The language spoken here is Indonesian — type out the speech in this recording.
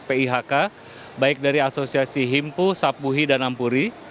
pihk baik dari asosiasi himpu sapuhi dan ampuri